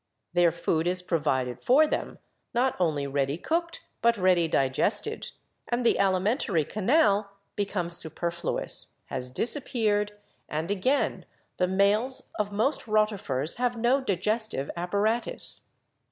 Their food is provided for them, not only ready cooked but ready ORGANIC FUNCTIONS 93 digested, and the alimentary canal, become superfluous, has disappeared, and, again, the males of most Rotifers have no digestive apparatus.